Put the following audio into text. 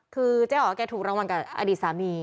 คือเจ๊อ๋อแกถูกรางวัลกับอดีตสามี